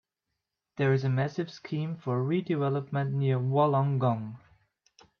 There is a massive scheme for redevelopment near Wollongong.